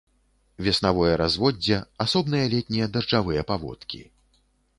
Веснавое разводдзе, асобныя летнія дажджавыя паводкі.